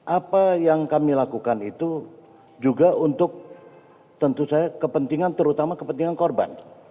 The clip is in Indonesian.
apa yang kami lakukan itu juga untuk tentu saja kepentingan terutama kepentingan korban